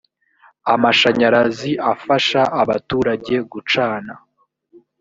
amashanyarazi afasha abaturage gucana.